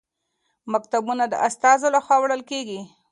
مکتوبونه د استازو لخوا وړل کیږي.